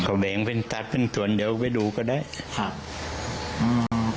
เขาแบ่งเป็นตัดเป็นส่วนเดี๋ยวไปดูก็ได้ครับอืม